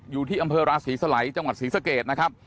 อยู่ที่อำเภอราศีสลัยจังหวัดศรีสะเกดนะครับ